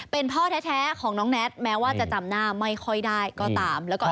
เป็นพ่อแท้ของน้องแน็ตแม้ว่าจะจำหน้าไม่ค่อยได้ก็ตามแล้วก็